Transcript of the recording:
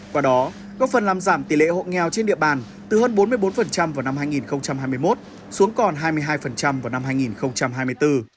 qua đó có phần làm giảm tỷ lệ hộ nghèo trên địa bàn từ hơn bốn mươi bốn vào năm hai nghìn hai mươi một xuống còn hai mươi hai vào năm hai nghìn hai mươi bốn